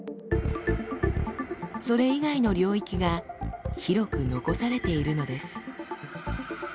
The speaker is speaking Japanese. それ以外の領域が広く残されているのです。